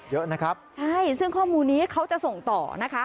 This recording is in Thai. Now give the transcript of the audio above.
เยอะนะครับใช่ซึ่งข้อมูลนี้เขาจะส่งต่อนะคะ